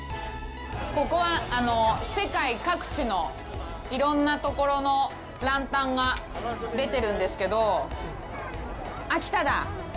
ここは世界各地のいろんなところのランタンが出てるんですけど、秋田だ！